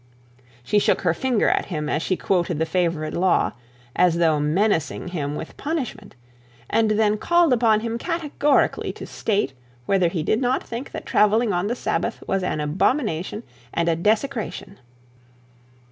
She shook her finger at him as she quoted the favourite law, as though menacing him with punishment; and then called upon him categorically to state whether he did not think that travelling on the Sabbath was an abomination and a desecration.